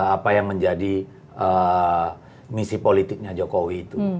apa yang menjadi misi politiknya jokowi itu